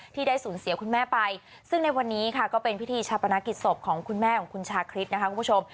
ที่ได้สูญเสียคุณแม่ไปซึ่งในวันนี้ค่ะก็เป็นพิธีชาปนกิจศพของคุณแม่ของคุณชาคริสนะคะคุณผู้ชม